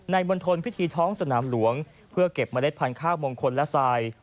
มณฑลพิธีท้องสนามหลวงเพื่อเก็บเมล็ดพันธุ์ข้าวมงคลและทราย